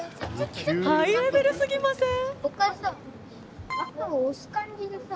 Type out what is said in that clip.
ハイレベルすぎません？